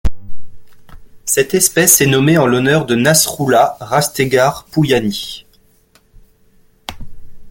Cette espèce est nommée en l'honneur de Nasrullah Rastegar-Pouyani.